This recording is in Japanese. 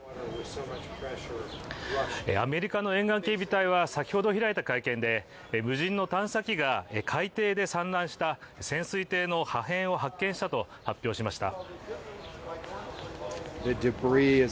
アメリカの沿岸警備隊は先ほど開いた会見で無人の探査機が海底で散乱した潜水艇の破片を発見したと発表しました。